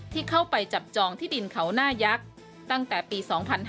ที่เข้าไปจับจองที่ดินเขาหน้ายักษ์ตั้งแต่ปี๒๕๕๙